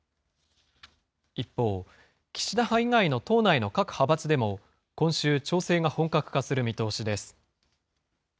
一方、岸田派以外の党内の各派閥でも、今週、調整が本格化する見通しです。